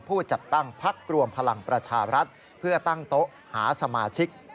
ผู้จัดตั้งพักรวมพลังประชารัฐเพื่อตั้งโต๊ะหาสมาชิก